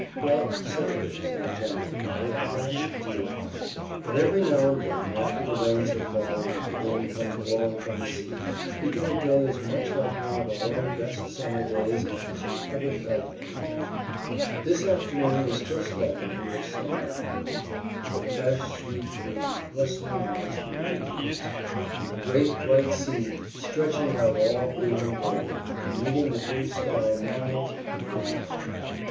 Well, so it is, in a general way, a vast deal hotter; but every now and then, after the rains have fallen and the wind comes blowing from the sea, we get a day as much like one of our own best summer days as you ever felt anywhere. This afternoon was just like an English summer afternoon, with the fresh sweet breeze rustling amongst the green leaves, and the great bright sea stretching out all blue and golden, and meeting the blue sky miles and miles away.